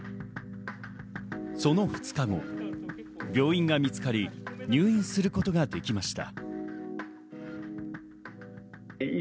その２日後、病院が見つかり入院することができました。